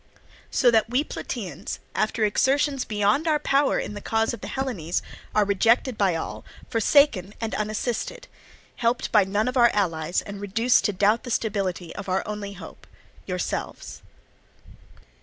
So that we Plataeans, after exertions beyond our power in the cause of the Hellenes, are rejected by all, forsaken and unassisted; helped by none of our allies, and reduced to doubt the stability of our only hope, yourselves.